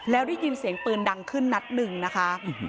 แล้วได้ยินเสียงปืนดังขึ้นนัดหนึ่งนะคะ